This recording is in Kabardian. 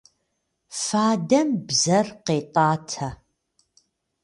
Фадэм бзэр къетӏатэ.